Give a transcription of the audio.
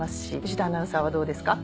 藤田アナウンサーはどうですか？